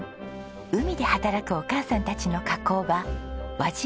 海で働くお母さんたちの加工場